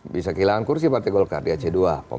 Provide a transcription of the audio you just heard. bisa kehilangan kursi partai golkar di aceh dua